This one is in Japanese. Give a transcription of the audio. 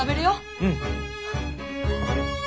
うん！